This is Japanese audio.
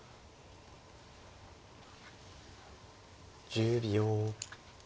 １０秒。